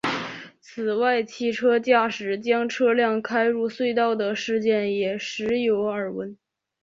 此外汽车驾驶将车辆开入隧道的事件也时有耳闻。